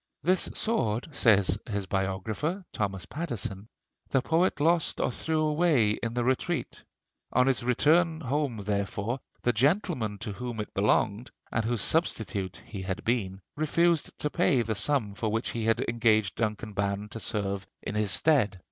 "This sword," says his biographer, Thomas Pattison, "the poet lost or threw away in the retreat. On his return home therefore the gentleman to whom it belonged, and whose substitute he had been, refused to pay the sum for which he had engaged Duncan Ban to serve in his stead.